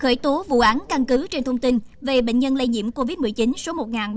khởi tố vụ án căn cứ trên thông tin về bệnh nhân lây nhiễm covid một mươi chín số một nghìn ba trăm bốn mươi hai